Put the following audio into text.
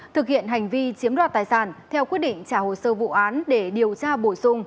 thực hiện hành vi chiếm đoạt tài sản theo quyết định trả hồ sơ vụ án để điều tra bổ sung